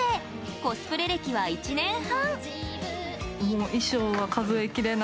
コスプレ歴は１年半。